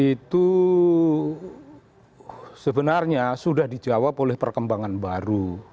itu sebenarnya sudah dijawab oleh perkembangan baru